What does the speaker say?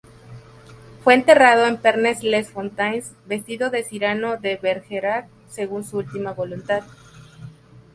Fue enterrado en Pernes-les-Fontaines, vestido de Cyrano de Bergerac, según su última voluntad.